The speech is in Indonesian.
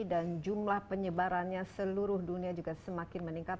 dan jumlah penyebarannya seluruh dunia juga semakin meningkat